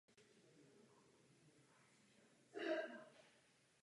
Tato budova vám poskytuje možnost bydlet v bytě.